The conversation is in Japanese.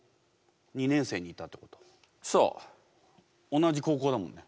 同じ高校だもんね。